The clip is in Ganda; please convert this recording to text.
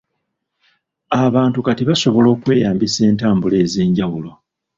Abantu kati basobola okweyambisa entambula ez'enjawulo.